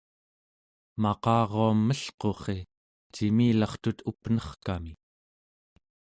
maqaruam melqurri cimirlartut up'nerkami